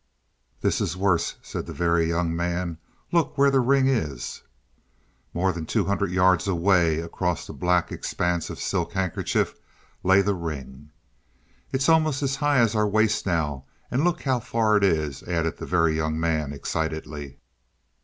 "This is worse," said the Very Young Man. "Look where the ring is." More than two hundred yards away across the black expanse of silk handkerchief lay the ring. "It's almost as high as our waist now, and look how far it is!" added the Very Young Man excitedly.